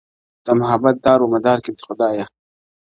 د محبت دار و مدار کي خدايه ~